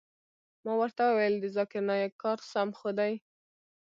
ما ورته وويل د ذاکر نايک کار سم خو دى.